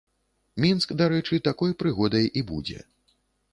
Мінск, дарэчы, такой прыгодай і будзе.